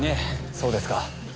そうですか。